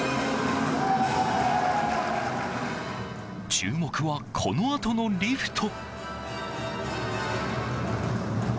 注目は、このあとのリフト。